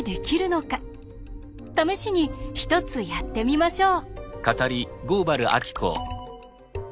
試しに１つやってみましょう。